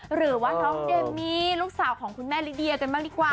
หรือว่าน้องเดมมี่ลูกสาวของคุณแม่ลิเดียกันบ้างดีกว่า